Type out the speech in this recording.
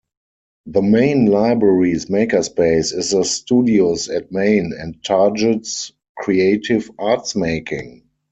The Main library's makerspace is the "Studio's at Main" and targets creative arts making.